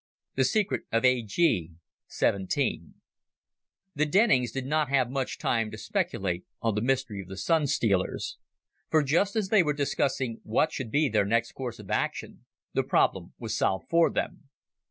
The Secret of A G 17 The Dennings did not have much time to speculate on the mystery of the Sun stealers. For just as they were discussing what should be their next course of action, the problem was solved for them.